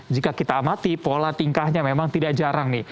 jika kita amati pola tingkahnya memang tidak jarang nih